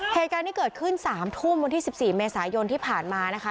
เหตุการณ์ที่เกิดขึ้น๓ทุ่มวันที่๑๔เมษายนที่ผ่านมานะคะ